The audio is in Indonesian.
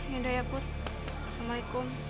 ya udah ya put assalamualaikum